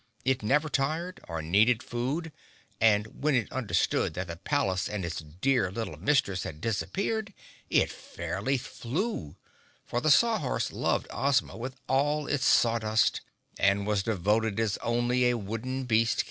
It never tired or needed food and when it understood that the palace and its dear little Mistress had disappeared it fairly flew; for the Saw Horse loved Ozma with all its saw dust and was devoted as only a wooden beast can be.